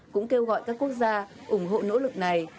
cũng kêu gọi các quốc gia ủng hộ nỗ lực này